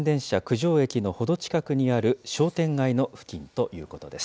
じょう駅の程近くにある商店街の付近ということです。